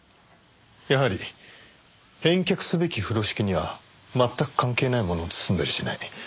やはり返却すべき風呂敷には全く関係ないものを包んだりしない。